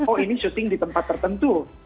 oh ini syuting di tempat tertentu